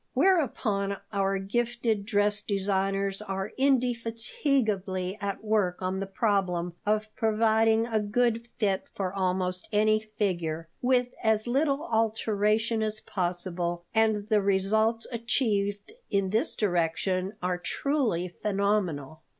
Whereupon our gifted dress designers are indefatigably at work on the problem of providing a good fit for almost any figure, with as little alteration as possible, and the results achieved in this direction are truly phenomenal.